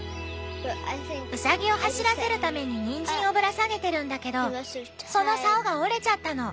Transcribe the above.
うさぎを走らせるためににんじんをぶら下げてるんだけどそのさおが折れちゃったの。